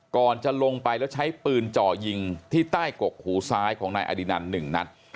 ก่อนจะลงไปแล้วใช้ปืนเจาะยิงที่ใต้กกหูซ้ายของนายอดินัน๑นัด